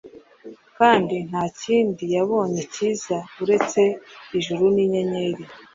Kandi nta kindi yabonye cyiza uretse ijuru ninyenyeri